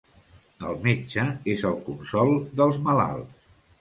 El metge és el consol dels malalts.